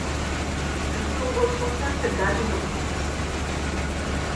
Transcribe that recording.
ეჩუნღო სოფელთე ბა̈ჟინ ოხვზიზ.